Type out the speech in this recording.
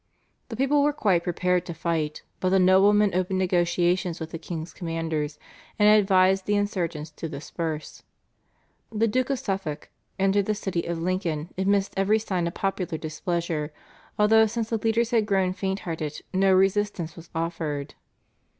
The people were quite prepared to fight, but the noblemen opened negotiations with the king's commanders, and advised the insurgents to disperse. The Duke of Suffolk entered the city of Lincoln amidst every sign of popular displeasure, although since the leaders had grown fainthearted no resistance was offered.